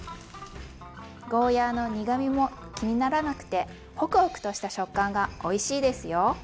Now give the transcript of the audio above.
ゴーヤーの苦みも気にならなくてホクホクとした食感がおいしいですよ。